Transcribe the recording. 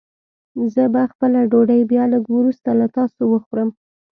زه به خپله ډوډۍ بيا لږ وروسته له تاسو وخورم.